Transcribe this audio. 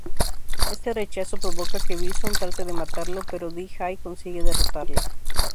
Este rechazo provoca que Bison trate de matarlo, pero Dee Jay consigue derrotarle.